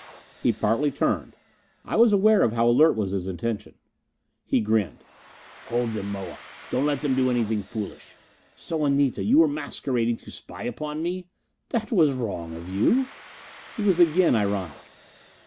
He partly turned. I was aware of how alert was his attention. He grinned. "Hold them, Moa don't let them do anything foolish. So, Anita, you were masquerading to spy upon me? That was wrong of you." He was again ironic.